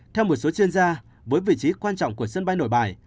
theo một số chuyên gia với vị trí quan trọng của sân bay nội bài